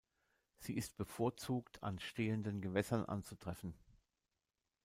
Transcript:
Sie ist bevorzugt an stehenden Gewässern anzutreffen.